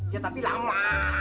ya tapi lama